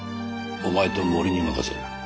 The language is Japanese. お前と森に任せる。